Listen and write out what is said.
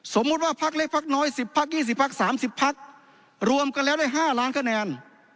สมมุติว่าภาคเล็กภาคน้อยสิบภาคยี่สิบภาคสามสิบภาครวมกันแล้วได้ห้าล้านคะแนน